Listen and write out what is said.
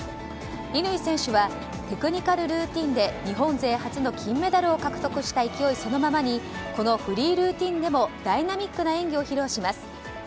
乾選手はテクニカルルーティンで日本勢初の金メダルを獲得した勢いそのままにこのフリールーティンでもダイナミックな演技を披露します。